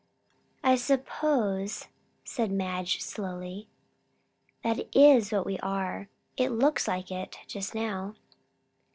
"I suppose," said Madge slowly, "that is what we are. It looks like it, just now."